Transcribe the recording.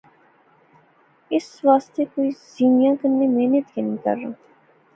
اس آسطے کوئی زیوِیاں کنے محنت ای نی کرنا